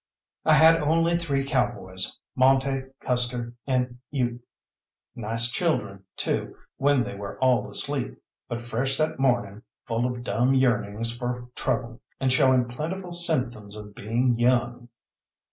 I had only three cowboys, Monte, Custer, and Ute; nice children, too, when they were all asleep, but fresh that morning, full of dumb yearnings for trouble, and showing plentiful symptoms of being young.